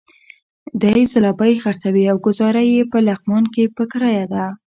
دی ځلوبۍ خرڅوي او ګوزاره یې په لغمان کې په کرايه ده.